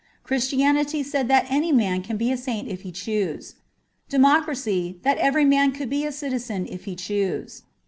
Christianity said that any man could be a saint if he chose ; democracy, that every man could be a citizen if he chose.